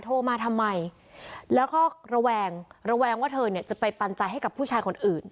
โทรมาทำไมแล้วก็ระแวงระแวงว่าเธอเนี่ยจะไปปันใจให้กับผู้ชายคนอื่น